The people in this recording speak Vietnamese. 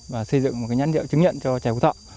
và xây dựng một cái nhãn hiệu chứng nhận cho chè phú thọ